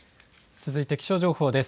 続いて気象情報です。